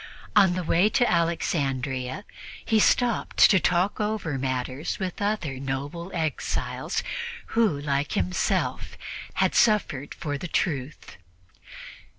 On the way to Alexandria he stopped to talk over matters with other noble exiles who, like himself, had suffered for the Truth.